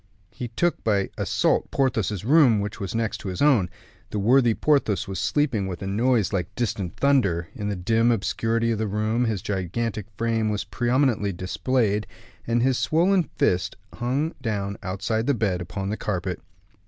He took by assault Porthos's room, which was next to his own. The worthy Porthos was sleeping with a noise like distant thunder; in the dim obscurity of the room his gigantic frame was prominently displayed, and his swollen fist hung down outside the bed upon the carpet.